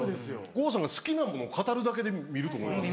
郷さんが好きなもの語るだけで見ると思います。